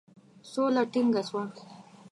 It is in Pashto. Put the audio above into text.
سوله ټینګه سوه.